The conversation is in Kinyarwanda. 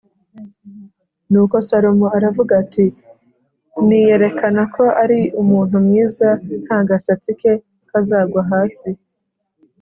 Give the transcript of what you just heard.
Nuko Salomo aravuga ati “Niyerekana ko ari umuntu mwiza nta gasatsi ke kazagwa hasi